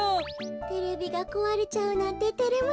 テレビがこわれちゃうなんててれますね。